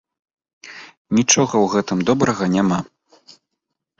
Нічога ў гэтым добрага няма.